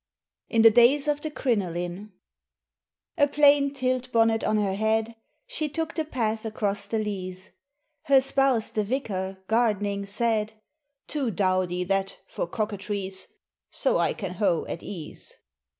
IN THE DAYS OF CRINOLINE A PLAIN tilt bonnet on her head She took the path across the leaze. —Her spouse the vicar, gardening, said, "Too dowdy that, for coquetries, So I can hoe at ease."